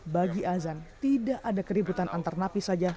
bagi azan tidak ada keributan antar napi saja